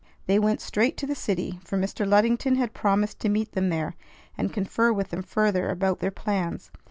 They went straight to the city, for Mr. Luddington had promised to meet them there and confer with them further about their plans.